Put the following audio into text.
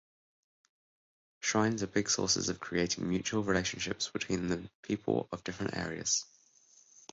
Shrines are big sources of creating mutual relationships between the people of different areas.